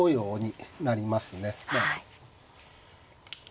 はい。